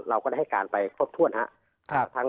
เราก็ได้ให้การไปครบถ้วนครับ